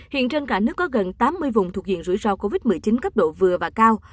hiện trên cả nước có gần tám mươi vùng thuộc diện rủi ro covid một mươi chín cấp độ vừa và cao